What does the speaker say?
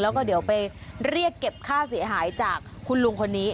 แล้วก็เดี๋ยวไปเรียกเก็บค่าเสียหายจากคุณลุงคนนี้